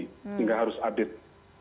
sehingga harus update